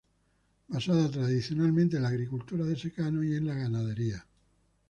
Basada tradicionalmente en la agricultura de secano y en la ganadería.